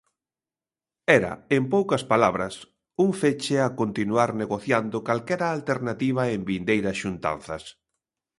Era, en poucas palabras, un feche a continuar negociando calquera alternativa en vindeiras xuntanzas.